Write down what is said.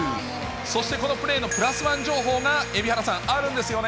そしてこのプレーのプラスワン情報が蛯原さん、あるんですよね。